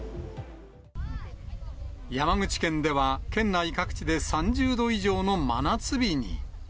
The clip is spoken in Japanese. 山口県では、県内各地で３０度以上の真夏日に。